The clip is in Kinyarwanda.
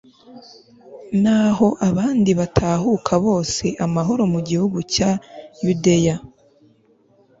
naho abandi batahuka bose amahoro mu gihugu cya yudeya